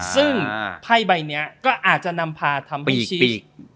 ซึ่งไพ่ใบเนี้ยก็อาจจะนำพาทำให้ปีกปีก